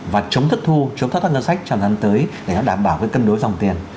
và chống thất thu chống thất thoát ngân sách tràn rắn tới để nó đảm bảo cái cân đối dòng tiền